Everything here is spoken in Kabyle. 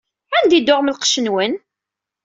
Anda i d-tuɣem lqec-nwen?